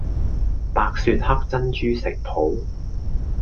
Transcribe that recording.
白雪黑珍珠食譜